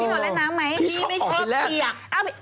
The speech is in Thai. ก่อนเล่นน้ำไหมพี่ไม่ชอบเปียก